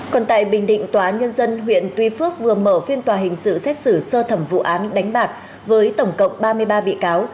còn tại bình định tòa nhân dân huyện tuy phước vừa mở phiên tòa hình sự xét xử sơ thẩm vụ án đánh bạc với tổng cộng ba mươi ba bị cáo